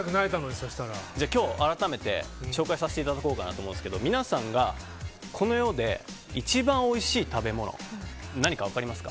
今日改めて紹介させていただこうと思うんですが皆さんがこの世で一番おいしい食べ物何か分かりますか？